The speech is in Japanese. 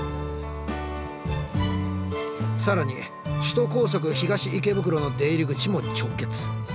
更に首都高速東池袋の出入り口も直結。